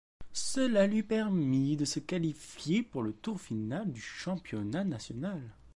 Cela lui permit de se qualifier pour le tour final du championnat national.